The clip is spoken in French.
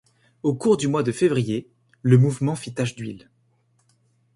Au cours du mois de février, le mouvement fit tache d'huile.